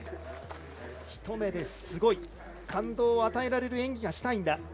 一目ですごい感動を与えられる演技がしたいんだ。